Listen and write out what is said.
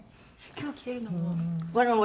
今日着てるのも。